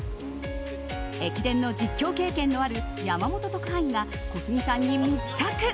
駅伝の実況経験のある山本特派員が小杉さんに密着。